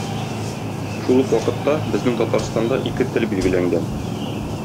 Шул ук вакытта безнең Татарстанда ике тел билгеләнгән.